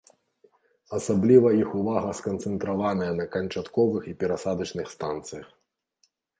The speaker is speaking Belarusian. Асабліва іх увага сканцэнтраваная на канчатковых і перасадачных станцыях.